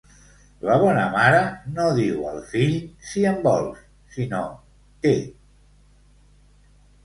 La bona mare no diu al fill «si en vols», sinó «té».